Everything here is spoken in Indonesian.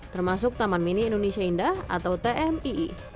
termasuk taman mini indonesia indah atau tmii